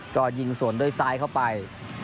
ก็ยิงสวนด้วยซ้ายเข้าไป